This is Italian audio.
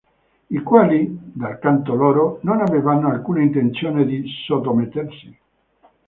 I quali, dal canto loro, non avevano alcuna intenzione di sottomettersi.